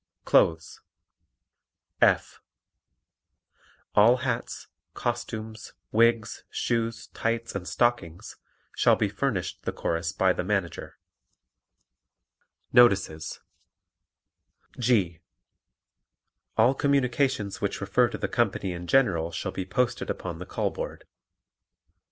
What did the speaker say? Clothes F. All hats, costumes, wigs, shoes, tights and stockings shall be furnished the Chorus by the Manager. Notices G. All communications which refer to the company in general shall be posted upon the call board.